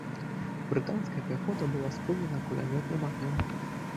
Брытанская пяхота была спынена кулямётным агнём.